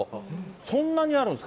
そんなにあるんですか？